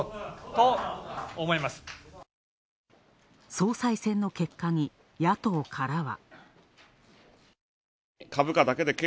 総裁選の結果に野党からは。